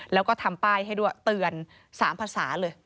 แล้วก็ทำป้ายให้ตื่น๓ภาษาเลย